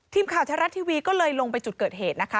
ทีมข่าวแท้รัฐทีวีก็เลยลงไปจุดเกิดเหตุนะคะ